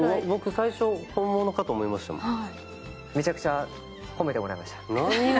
僕最初、本物かと思いましたもん。